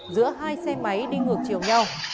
giữa hai xe máy đi ngược chiều nhau